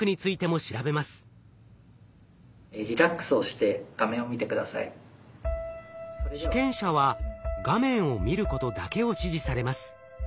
続いて被験者は画面を見ることだけを指示されます。